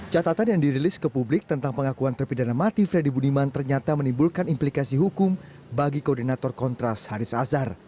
catatan yang dirilis ke publik tentang pengakuan terpidana mati freddy budiman ternyata menimbulkan implikasi hukum bagi koordinator kontras haris azhar